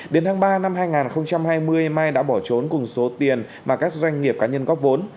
đến tháng ba năm hai nghìn hai mươi mai đã bỏ trốn cùng số tiền mà các doanh nghiệp cá nhân góp vốn